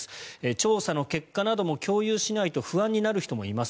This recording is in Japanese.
調査の結果なども共有しないと不安になる人もいます。